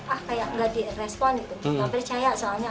ah kayak nggak direspon gitu nggak percaya soalnya